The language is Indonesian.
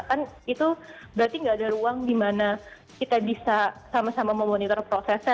kan itu berarti nggak ada ruang dimana kita bisa sama sama memonitor prosesnya